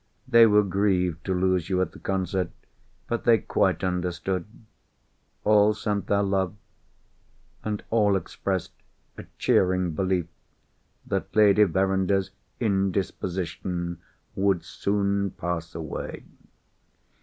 They were grieved to lose you at the concert, but they quite understood. All sent their love; and all expressed a cheering belief that Lady Verinder's indisposition would soon pass away."